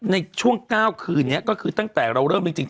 ในช่วง๙คืนนี้ก็คือตั้งแต่เราเริ่มจริง